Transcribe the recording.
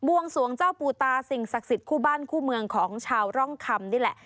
วงสวงเจ้าปูตาสิ่งศักดิ์สิทธิ์คู่บ้านคู่เมืองของชาวร่องคำนี่แหละ